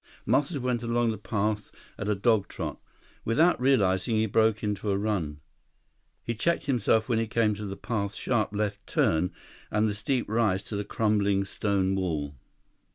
Muscles went along the path at a dog trot. Without realizing, he broke into a run. He checked himself when he came to the path's sharp left turn and the steep rise to the crumbling stone wall.